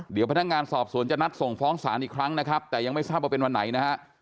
เดี๋ยวพนักงานสอบสวนจะนัดส่งฟ้องศาลอีกครั้งนะครับแต่ยังไม่ทราบว่าเป็นวันไหนนะฮะ